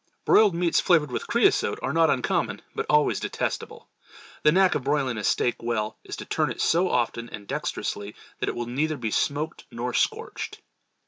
Broiled meats flavored with creosote are not uncommon, but always detestable. The knack of broiling a steak well is to turn it so often and dexterously that it will neither be smoked nor scorched.